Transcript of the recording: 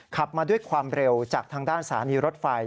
ขับมาด้วยความเร็วจากทางด้านสถานีรถไฟ